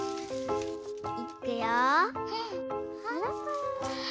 いっくよ。